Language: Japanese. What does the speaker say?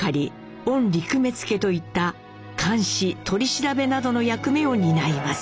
御陸目付といった監視取り調べなどの役目を担います。